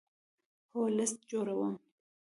هو، لست جوړوم